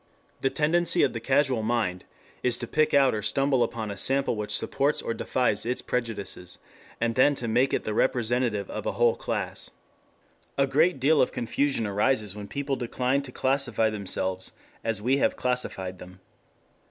The tendency of the casual mind is to pick out or stumble upon a sample which supports or defies its prejudices, and then to make it the representative of a whole class. A great deal of confusion arises when people decline to classify themselves as we have classified them.